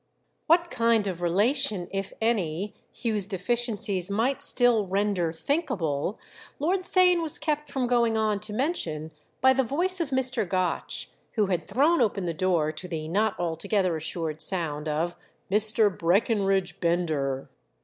What kind of relation, if any, Hugh's deficiencies might still render thinkable Lord Theign was kept from going on to mention by the voice of Mr. Gotch, who had thrown open the door to the not altogether assured sound of "Mr. Breckenridge Bender."